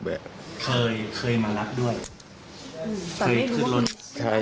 เคยมารักด้วย